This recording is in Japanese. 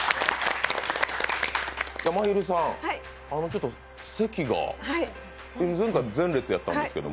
まひるさん、席が前回前列だったんですけど？